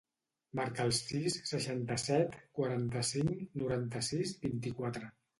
Marca el sis, seixanta-set, quaranta-cinc, noranta-sis, vint-i-quatre.